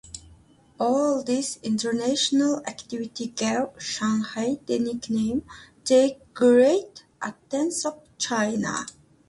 All this international activity gave Shanghai the nickname "the Great Athens of China".